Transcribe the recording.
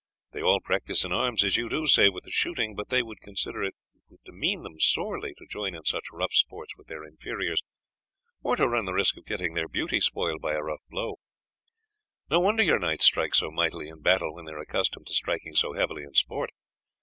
They all practise in arms as you do, save with the shooting; but they would consider it would demean them sorely to join in such rough sports with their inferiors, or to run the risk of getting their beauty spoiled by a rough blow. No wonder your knights strike so mightily in battle when they are accustomed to strike so heavily in sport.